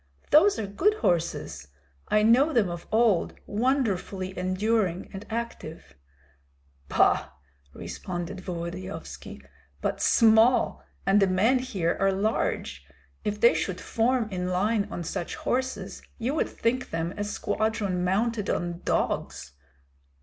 "Those are good horses; I know them of old, wonderfully enduring and active." "Bah!" responded Volodyovski, "but small, and the men here are large. If they should form in line on such horses, you would think them a squadron mounted on dogs.